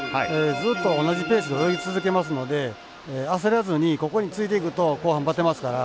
ずっと同じペースで泳ぎ続けますので焦らずに、ここについていくと後半、ばてますから。